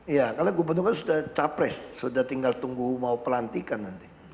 iya karena gubernur kan sudah capres sudah tinggal tunggu mau pelantikan nanti